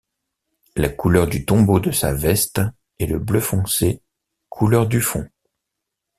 La couleur du tombeau de sa veste est le bleu foncé, couleur du fond.